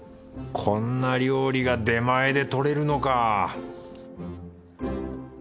こんな料理が出前で取れるのか